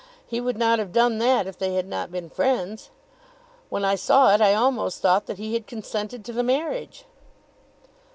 He would not have done that if they had not been friends. When I saw it I almost thought that he had consented to the marriage."